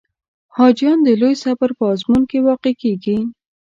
حاجیان د لوی صبر په آزمون کې واقع کېږي.